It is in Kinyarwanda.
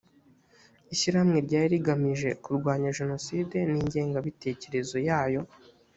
ishyirahamwe ryari rigamije kurwanya jenoside n’ingengabitekerezo yayo